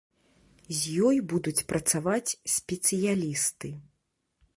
З ёй будуць працаваць спецыялісты.